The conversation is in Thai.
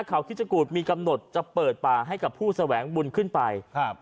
เขาคิดชะกูดมีกำหนดจะเปิดป่าให้กับผู้แสวงบุญขึ้นไปครับ